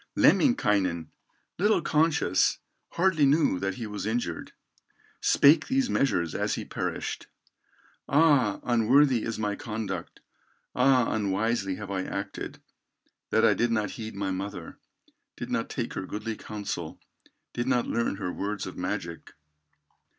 Lemminkainen, little conscious, Hardly knew that he was injured, Spake these measures as he perished: "Ah! unworthy is my conduct, Ah! unwisely have I acted, That I did not heed my mother, Did not take her goodly counsel, Did not learn her words of magic.